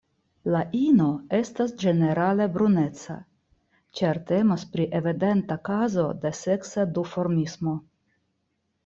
La ino estas ĝenerale bruneca, ĉar temas pri evidenta kazo de seksa duformismo.